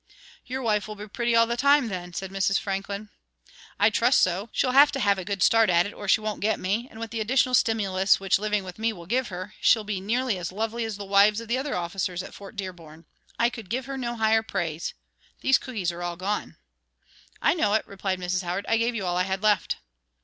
"Your wife will be pretty all the time, then," said Mrs. Franklin. "I trust so. She'll have to have a good start at it, or she won't get me, and with the additional stimulus which living with me will give her, she'll be nearly as lovely as the wives of the other officers at Fort Dearborn. I could give her no higher praise. These cookies are all gone." "I know it," replied Mrs. Howard. "I gave you all I had left."